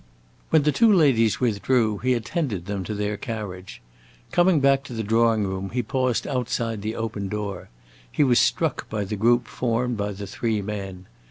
When the two ladies withdrew, he attended them to their carriage. Coming back to the drawing room, he paused outside the open door; he was struck by the group formed by the three men.